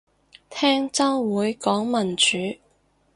聽週會講民主